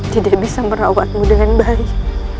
tidak bisa merawatmu dengan baik